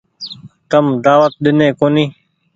تم دآوت ڏيني ڪونيٚ ۔